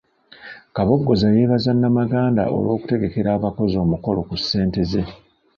Kabogoza yeebaza Namaganda olw'okutegekera abakozi omukolo ku ssente ze.